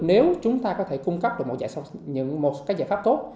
nếu chúng ta có thể cung cấp được một giải pháp tốt